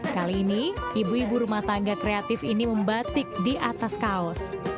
kali ini ibu ibu rumah tangga kreatif ini membatik di atas kaos